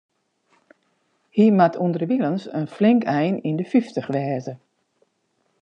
Hy moat ûnderwilens in flink ein yn de fyftich wêze.